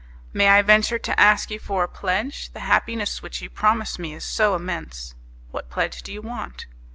"May I venture to ask you for a pledge? The happiness which you promise me is so immense!" "What pledge do you want?"